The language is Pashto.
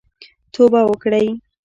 توبه وکړئ